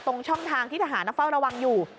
ช่องทางที่ทหารเฝ้าระวังอยู่